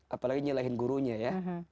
apalagi nyelehin gurunya ya